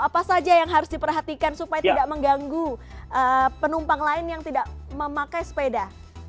apa saja yang harus diperhatikan supaya tidak mengganggu penumpang lain yang tidak memakai sepeda